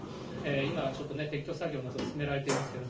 今はちょっと撤去作業など進められていますけれども。